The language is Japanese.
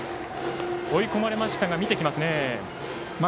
追い込まれましたが見てきますね。